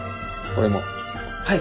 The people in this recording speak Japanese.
はい。